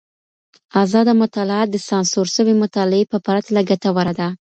ازاده مطالعه د سانسور سوي مطالعې په پرتله ګټوره ده.